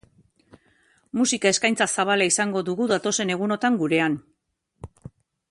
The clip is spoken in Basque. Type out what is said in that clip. Musika eskaintza zabala izango dugu datozen egunotan gurean.